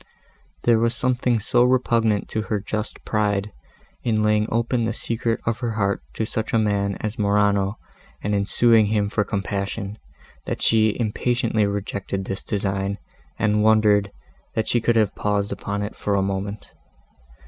There was something so repugnant to her just pride, in laying open the secret of her heart to such a man as Morano, and in suing to him for compassion, that she impatiently rejected this design and wondered, that she could have paused upon it for a moment.